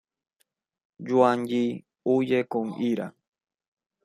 Yuan Yi, huye con ira.